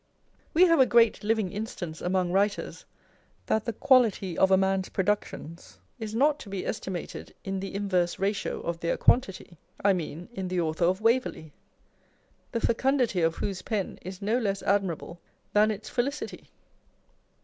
We have a great living instance among writers, that the quality of a man's productions is not to be estimated in the inverse ratio of their quantity â€" I mean in the Author of Waverley; the fecundity of whose pen is no less admirable than its felicity.